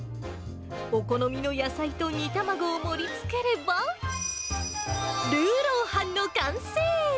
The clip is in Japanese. お好みの野菜と煮卵を盛りつければ、ルーロー飯の完成。